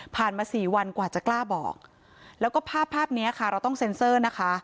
มาสี่วันกว่าจะกล้าบอกแล้วก็ภาพภาพนี้ค่ะเราต้องเซ็นเซอร์นะคะ